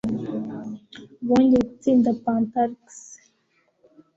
bongeye gutsinda Pantarkes